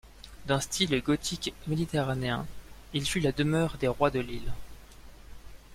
D'un style gothique méditerranéen, il fut la demeure des rois de l’île.